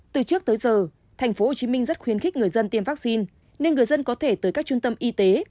từ trước tới giờ tp hcm rất khuyến khích người dân tiêm vaccine nên người dân có thể tới các trung tâm y tế